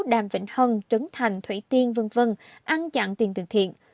đàm vĩnh hân trấn thành thủy tiên v v ăn chặn tiền từ thiện